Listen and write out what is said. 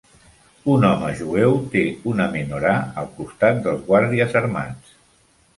un home jueu té una menorà al costat dels guàrdies armats